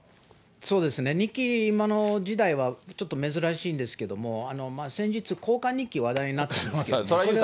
そうですね、日記、今の時代はちょっと珍しいんですけど、先日、交換日記話題になったんですけど。